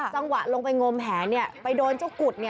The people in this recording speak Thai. จังหวะลงไปงมแหไปโดนเจ้ากุด